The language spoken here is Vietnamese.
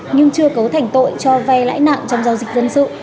nhưng chưa cấu thành tội cho vay lãi nặng trong giao dịch dân sự